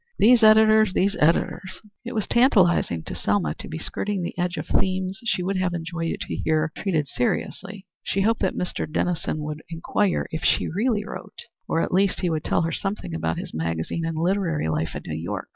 These editors, these editors!" It was tantalizing to Selma to be skirting the edge of themes she would have enjoyed to hear treated seriously. She hoped that Mr. Dennison would inquire if she really wrote, and at least he would tell her something about his magazine and literary life in New York.